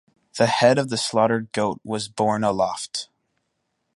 The head of the slaughtered goat was borne aloft.